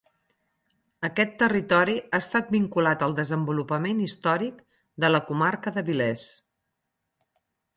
Aquest territori ha estat vinculat al desenvolupament històric de la comarca d'Avilés.